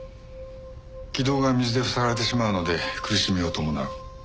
気道が水で塞がれてしまうので苦しみを伴う。